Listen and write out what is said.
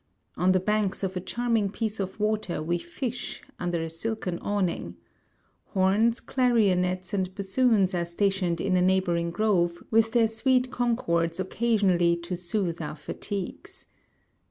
On the banks of a charming piece of water we fish, under a silken awning. Horns, clarionets, and bassoons are stationed in a neighbouring grove, with their sweet concords occasionally to soothe our fatigues.